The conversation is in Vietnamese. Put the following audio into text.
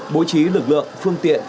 bố trí lực lượng phương tiện